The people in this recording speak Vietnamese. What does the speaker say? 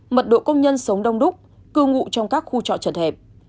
mật độ công nhân sống đông đúc cư ngụ trong các khu trọ chật hẹp